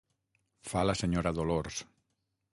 Fa la senyora Dolors.